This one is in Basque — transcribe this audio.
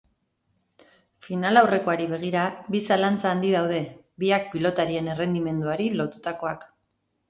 Finalaurrekoari begira, bi zalantza handi daude, biak pilotarien errendimenduari lotutakoak.